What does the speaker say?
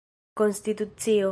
konstitucio